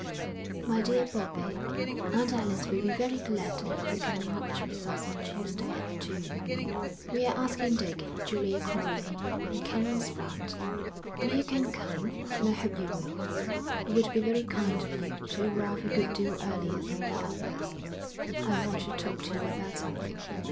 My Dear Bobbie: _Aunt Alice will be very glad if you can lunch with us on Tuesday at two. We are asking Dick, Julia Crowley, and Canon Spratte. If you can come, and I hope you will, it would be very kind of you to arrive a good deal earlier than the others; I want to talk to you about something.